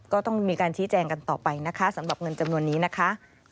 ก็ต้องมีการชี้แจงกันต่อไปนะคะสำหรับเงินจำนวนนี้นะคะ